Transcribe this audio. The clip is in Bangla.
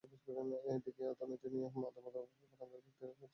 এদিকে অর্থনীতি নিয়ে মতামত প্রদানকারী ব্যক্তিরা আগের চেয়ে বেশি আস্থা দেখিয়েছেন।